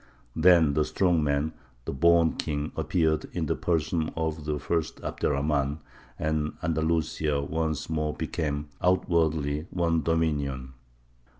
Then the strong man, the born king, appeared in the person of the first Abd er Rahmān, and Andalusia once more became, outwardly, one dominion.